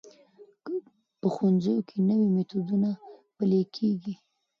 په ښوونځیو کې نوي میتودونه پلي کېږي.